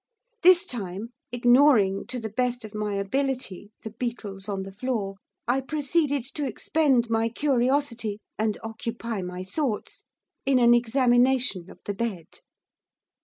This time, ignoring, to the best of my ability, the beetles on the floor, I proceeded to expend my curiosity and occupy my thoughts in an examination of the bed.